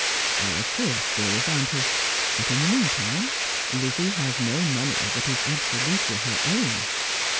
' Of course, dearest auntie. But in the meantime Lizzie has no money that is absolutely her own.'